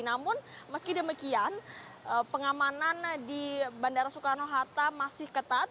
namun meski demikian pengamanan di bandara soekarno hatta masih ketat